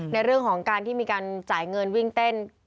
ในเรื่องของการที่มีการจ่ายเงินวิ่งเต้น